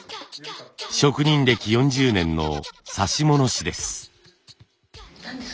職人歴４０年の指物師です。